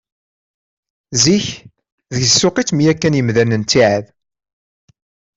Zik, deg ssuq i ttemyakken yimdanen ttiɛad.